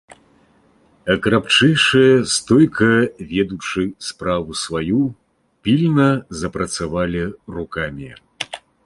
А крапчэйшыя, стойка ведучы справу сваю, пільна запрацавалі рукамі.